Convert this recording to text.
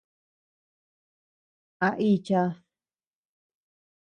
¿A ichad?